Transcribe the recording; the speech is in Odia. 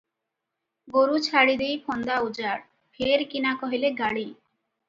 ଗୋରୁ ଛାଡ଼ିଦେଇ ଫନ୍ଦା ଉଜାଡ଼, ଫେର କିନା - କହିଲେ ଗାଳି?